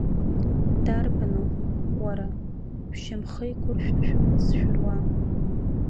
Дарбану, уара, шәшьамхы еиқәыршәны шәымаҵ зшәыруа?!